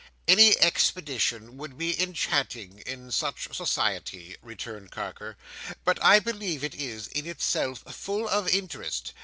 "Any expedition would be enchanting in such society," returned Carker; "but I believe it is, in itself, full of interest."